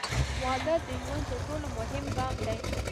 • واده د ژوند تر ټولو مهم ګام دی.